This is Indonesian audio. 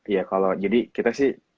ya kalau jadi kita sih